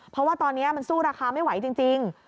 เพราะว่าตอนนี้มันสู้ราคาไม่ไหวจริง